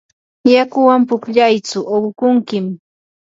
yakuwan pukllaytsu uqukunkim.